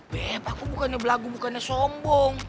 bebe aku bukannya berlagu bukannya sombong